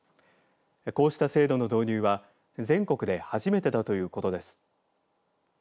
こうした制度の導入は全国で初めてだということです。